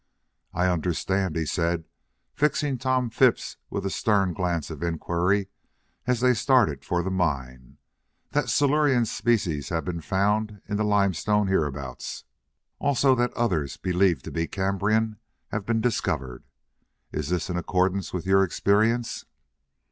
"I understand," he said, fixing Tom Phipps with a stern glance of inquiry, as they started for the mine, "that Silurian species have been found in the limestones hereabouts. Also that others believed to be Cambrian have been discovered. Is this in accordance with your experience?"